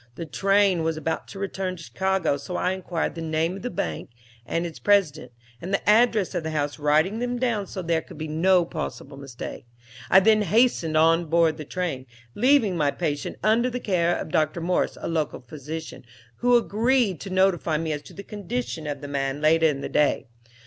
The train was about to return to Chicago, so I inquired the name of the bank and its president, and the address of the house, writing them down so there could be no possible mistake. I then hastened on board the train, leaving my patient under the care of Dr. Morse, a local physician, who agreed to notify me as to the condition of the man later in the day.